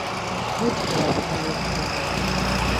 Whitbread verlegt wurde.